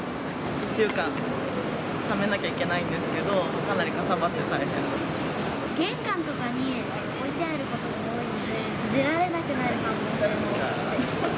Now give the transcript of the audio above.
１週間ためなきゃいけないんですけど、玄関とかに置いてあることが多いので、出られなくなる可能性もあって。